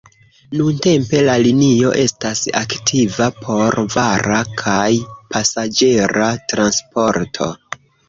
Nuntempe la linio estas aktiva por vara kaj pasaĝera transporto.